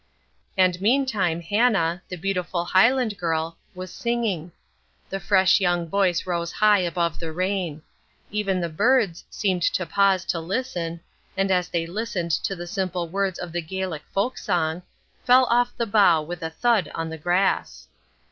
And meantime Hannah, the beautiful Highland girl, was singing. The fresh young voice rose high above the rain. Even the birds seemed to pause to listen, and as they listened to the simple words of the Gaelic folk song, fell off the bough with a thud on the grass.